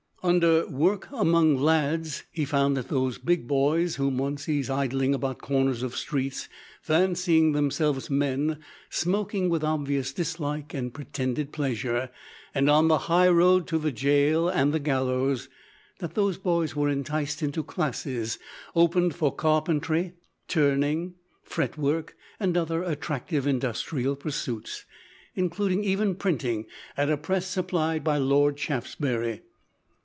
Under "Work among Lads," he found that those big boys whom one sees idling about corners of streets, fancying themselves men, smoking with obvious dislike and pretended pleasure, and on the highroad to the jail and the gallows that those boys were enticed into classes opened for carpentry, turning, fretwork, and other attractive industrial pursuits including even printing, at a press supplied by Lord Shaftesbury.